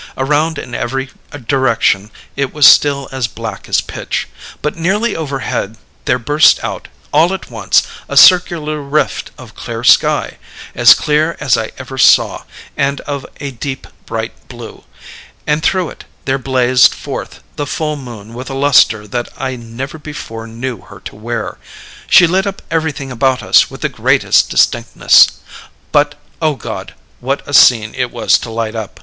Around in every direction it was still as black as pitch; but nearly overhead there burst out, all at once, a circular rift of clear sky as clear as I ever saw, and of a deep bright blue and through it there blazed forth the full moon with a luster that I never before knew her to wear. She lit up everything about us with the greatest distinctness but, O God, what a scene it was to light up!